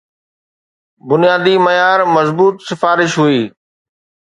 بنيادي معيار مضبوط سفارش هئي.